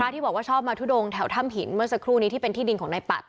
ที่บอกว่าชอบมาทุดงแถวถ้ำหินเมื่อสักครู่นี้ที่เป็นที่ดินของนายปัด